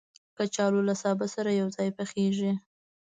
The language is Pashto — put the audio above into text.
کچالو له سابه سره یو ځای پخېږي